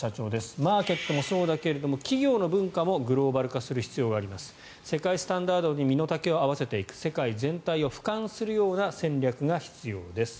マーケットもそうだけども企業の文化もグローバル化する必要がある世界スタンダードに身の丈を合わせていく世界全体を俯瞰するような戦略が必要です。